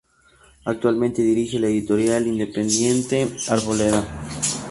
Actualmente dirige la editorial independiente Arboleda.